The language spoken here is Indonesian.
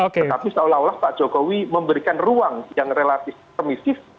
tetapi seolah olah pak jokowi memberikan ruang yang relatif permisif